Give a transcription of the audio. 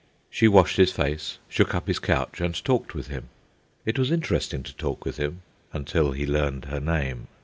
She washed his face, shook up his couch, and talked with him. It was interesting to talk with him—until he learned her name.